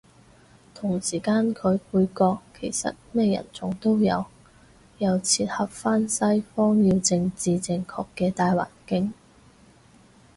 同時間佢配角其實咩人種都有，又切合返西方要政治正確嘅大環境